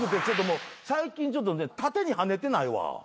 最近ちょっとね縦に跳ねてないわ。